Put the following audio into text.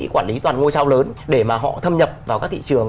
quản lý toàn ngôi sao lớn để mà họ thâm nhập vào các thị trường